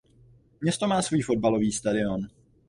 Město má svůj fotbalový stadion.